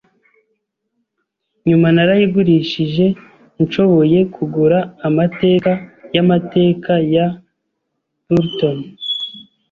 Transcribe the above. Nyuma, narayigurishije nshoboye kugura Amateka Yamateka ya R. Burton.